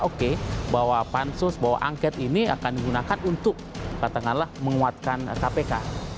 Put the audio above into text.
oke bahwa pansus bahwa angket ini akan digunakan untuk katakanlah menguatkan kpk